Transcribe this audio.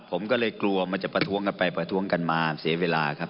ผมก็เลยกลัวมันจะประท้วงกันไปประท้วงกันมาเสียเวลาครับ